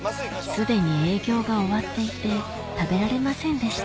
既に営業が終わっていて食べられませんでした